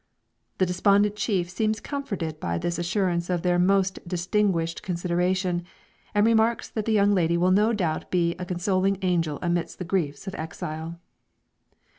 The despondent chief seems comforted by this assurance of their "most distinguished consideration," and remarks that the young lady will no doubt be a consoling angel amidst the griefs of exile.